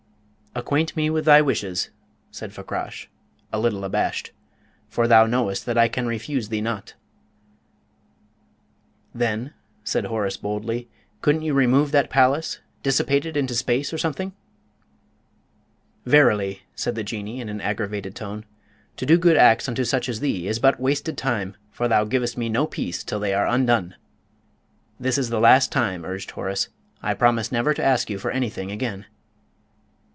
"Acquaint me with thy wishes," said Fakrash, a little abashed, "for thou knowest that I can refuse thee naught." "Then," said Horace, boldly, "couldn't you remove that palace dissipate it into space or something?" "Verily," said the Jinnee, in an aggravated tone, "to do good acts unto such as thee is but wasted time, for thou givest me no peace till they are undone!" "This is the last time," urged Horace; "I promise never to ask you for anything again."